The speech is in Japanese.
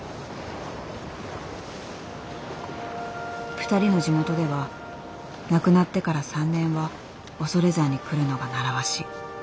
２人の地元では亡くなってから３年は恐山に来るのが習わし。